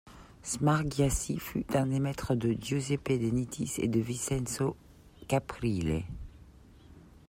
Smargiassi fut un des maîtres de Giuseppe De Nittis et de Vincenzo Caprile.